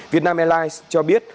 việt nam airlines cho biết